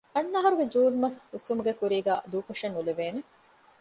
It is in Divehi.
އަންނަ އަހަރުގެ ޖޫން މަސް ހުސްވުމުގެ ކުރީގައި ދޫކޮށެއް ނުލެވޭނެ